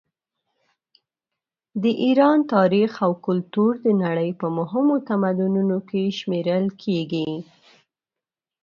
د ایران تاریخ او کلتور د نړۍ په مهمو تمدنونو کې شمېرل کیږي.